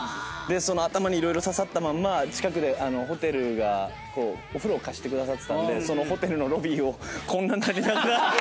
頭に色々刺さったまんま近くでホテルがお風呂を貸してくださってたんでそのホテルのロビーをこんなんなりながら。